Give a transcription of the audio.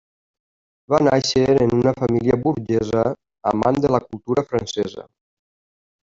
Va néixer en una família burgesa amant de la cultura francesa.